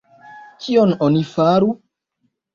Kion oni faru?